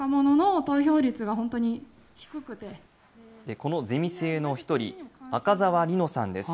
このゼミ生の一人、赤澤里乃さんです。